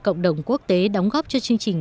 cộng đồng quốc tế đóng góp cho chương trình